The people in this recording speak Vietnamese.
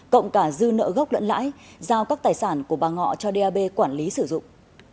cộng cả dư nợ gốc lẫn lãi giao các tài sản của bà ngọ cho dap quản lý sử dụng